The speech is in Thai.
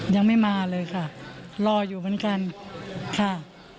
ยังไม่มาเลยค่ะรออยู่เหมือนกันค่ะ